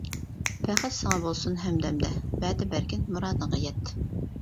بەخت ساڭا بولسۇن ھەمدەمدە ۋەدە بەرگىن مۇرادىڭغا يەت.